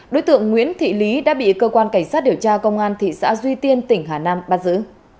đối tượng nguyễn thị lý đã bị cơ quan cảnh sát điều tra công an thị xã duy tiên tỉnh hà nam bắt giữ